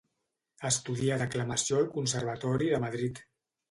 Estudià declamació al conservatori de Madrid.